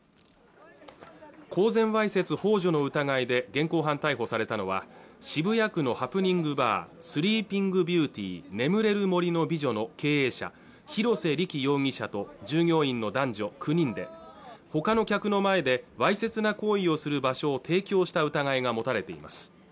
公然わいせつほう助の疑いで現行犯逮捕されたのは渋谷区のハプニングバーＳｌｅｅｐｉｎｇＢｅａｕｔｙ眠れる森の美女の経営者広瀬理基容疑者と従業員の男女９人でほかの客の前でわいせつな行為をする場所を提供した疑いが持たれています